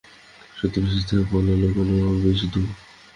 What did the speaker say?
সতীশ ব্যস্ত হয়ে পালালো কেন, বিধু।